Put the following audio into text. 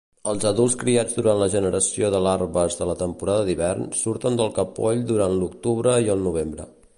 Els adults criats durant la generació de larves de la temporada d'hivern surten del capoll durant l'octubre i el novembre.